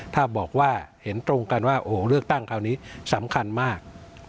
ถ้าบอกว่าเห็นตรงกันว่าเลือกสำคัญมาก